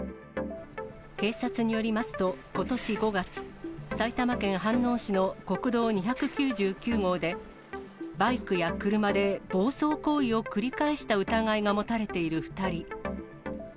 警察によりますと、ことし５月、埼玉県飯能市の国道２９９号で、バイクや車で暴走行為を繰り返した疑いが持たれている２人。